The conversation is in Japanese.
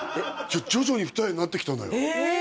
徐々に二重になってきたんだよえ！